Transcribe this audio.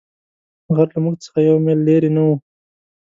غر له موږ څخه یو مېل لیرې نه وو.